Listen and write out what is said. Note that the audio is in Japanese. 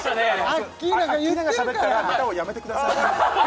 アッキーナがしゃべったらネタをやめてください